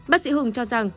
bác sĩ hùng cho rằng